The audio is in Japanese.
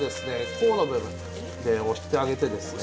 甲の部分で押してあげてですね